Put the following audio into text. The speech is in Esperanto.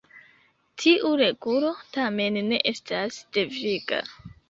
Tiu regulo tamen ne estas deviga.